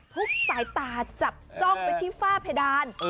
ทุกสายตาจับจ้องไปที่ฝ้าเพดาน